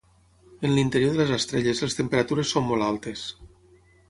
En l'interior de les estrelles les temperatures són molt altes.